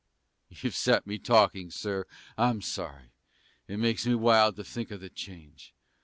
You've set me talking, Sir; I'm sorry: It makes me wild to think of the change!